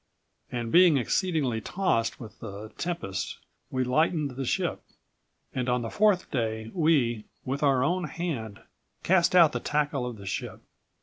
And being exceedingly tossed with the tempest we lightened the ship. On the fourth day we, with our own hand, cast out the tackle of the ship.